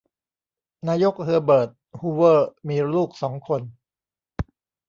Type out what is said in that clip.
นายก เฮอเบิร์ต ฮูเวอร์ มีลูกสองคน